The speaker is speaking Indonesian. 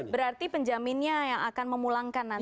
berarti penjaminnya yang akan memulangkan nanti